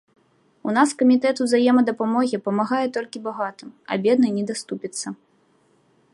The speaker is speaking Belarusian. У нас камітэт узаемадапамогі памагае толькі багатым, а бедны не даступіцца.